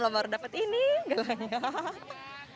lo baru dapat ini gelangnya